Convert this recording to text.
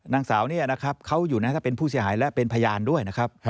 นางสาวนี่นะครับเขาอยู่นะครับเป็นผู้เสียหายและเป็นพยานด้วยนะครับ